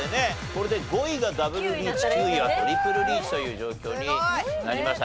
これで５位がダブルリーチ９位はトリプルリーチという状況になりました。